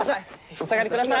お下がりください